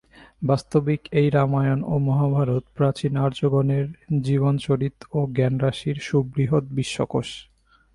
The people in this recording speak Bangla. বাস্তবিক এই রামায়ণ ও মহাভারত প্রাচীন আর্যগণের জীবনচরিত ও জ্ঞানরাশির সুবৃহৎ বিশ্বকোষ।